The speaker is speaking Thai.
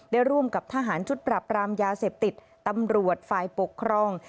ร่วมกับทหารชุดปรับรามยาเสพติดตำรวจฝ่ายปกครอง